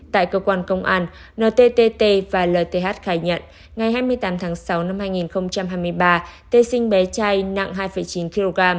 tại cơ quan công an ntt và lth khai nhận ngày hai mươi tám tháng sáu năm hai nghìn hai mươi ba t sinh bé trai nặng hai chín kg